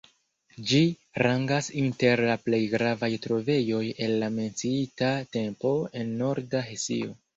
Ĝi rangas inter la plej gravaj trovejoj el la menciita tempo en Norda Hesio.